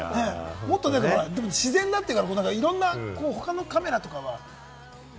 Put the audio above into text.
もっと自然だというから、いろんな他のカメラとかはね。